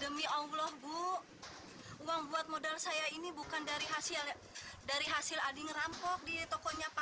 demi allah bu uang buat modal saya ini bukan dari hasil dari hasil adi ngerampok di tokonya pak